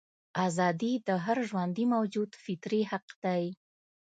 ازادي د هر ژوندي موجود فطري حق دی.